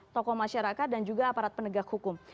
tokoh masyarakat dan juga aparat penegak hukum